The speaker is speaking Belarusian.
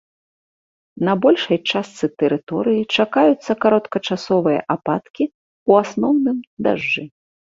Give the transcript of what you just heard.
На большай частцы тэрыторыі чакаюцца кароткачасовыя ападкі, у асноўным дажджы.